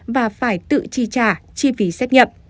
và phải tự chi trả chi phí xét nghiệm